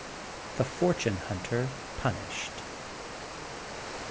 THE FORTUNE HUNTER PUNISHED.